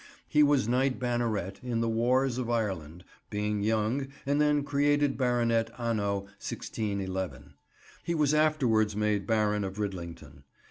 He was Knight Banneret in the warrs of Ireland, being young, and then created Baronet anno 1611. He was afterwards made Baron of Ridlington.